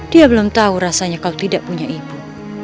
dia belum tahu rasanya kau tidak punya ibu